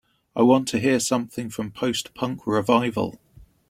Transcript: I want to hear something from Post-punk Revival